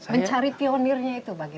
mencari pionirnya itu bagaimana